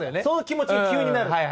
その気持ちに急になる。